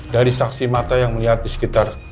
dari saksi mata yang melihat di sekitar